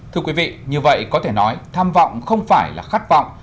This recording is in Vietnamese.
thưa quý vị như vậy có thể nói tham vọng không phải là khát vọng